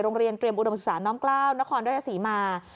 โรงเรียนเตรียมอุดมศึกษาน้องกล้าวนครราชศรีมา